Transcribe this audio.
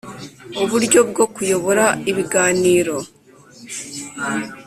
Uburyo bwo kuyobora ibiganiro